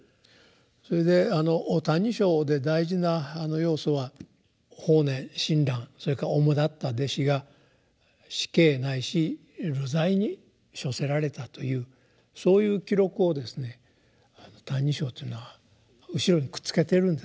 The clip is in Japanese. それで「歎異抄」で大事な要素は法然親鸞それからおもだった弟子が死刑ないし流罪に処せられたというそういう記録をですね「歎異抄」というのは後ろにくっつけているんですね。